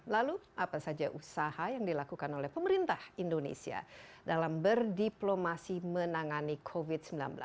lalu apa saja usaha yang dilakukan oleh pemerintah indonesia dalam berdiplomasi menangani covid sembilan belas